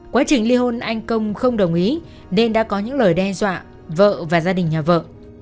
quá trình ly hôn anh công không đồng ý nên đã có những lời đe dọa vợ và gia đình nhà vợ